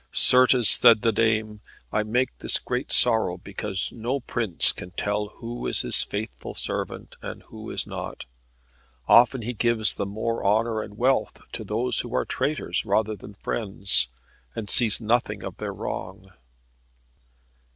"Certes," said the dame, "I make this great sorrow because no prince can tell who is his faithful servant, and who is not. Often he gives the more honour and wealth to those who are traitors rather than friends, and sees nothing of their wrong."